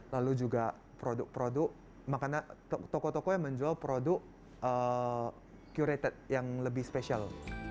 lalu juga produk produk makanya toko tokonya menjual produk curated yang lebih spesial